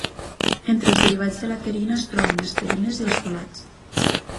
Entre els derivats de la pterina, es troben les pterines i els folats.